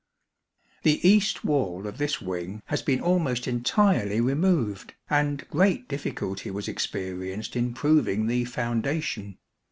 The east wall of this wing has been almost entirely removed, and great difficulty was experienced in proving the foundation.